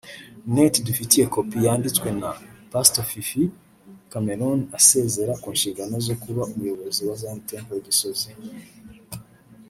net dufitiye kopi yanditswe na Pastor Fifi Cameron asezera ku nshingano zo kuba umuyobozi wa Zion Temple Gisozi